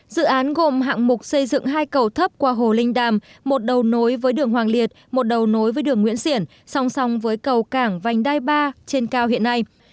dự án gồm hạng mục xây dựng hai cầu thấp qua hồ linh đàm một đầu nối với đường hoàng liệt một đầu nối với đường nguyễn xiển song song với cầu cảng vành đai ba trên cao hiện nay